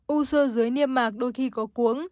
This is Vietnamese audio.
u sơ dưới niêm mạc đôi khi có cuống